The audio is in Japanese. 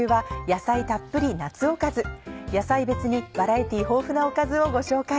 野菜別にバラエティー豊富なおかずをご紹介。